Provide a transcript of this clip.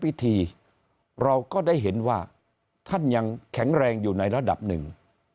พิธีเราก็ได้เห็นว่าท่านยังแข็งแรงอยู่ในระดับหนึ่ง